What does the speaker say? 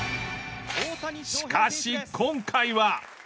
しかし今回は。